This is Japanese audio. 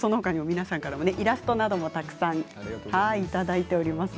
皆さんからイラストなどもたくさんいただいています。